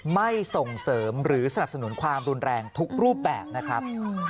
ไม่ส่งเสริมหรือสนับสนุนความรุนแรงทุกรูปแบบนะครับ